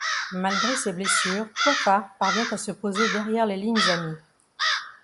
Malgré ses blessures, Coiffard parvient à se poser derrière les lignes amies.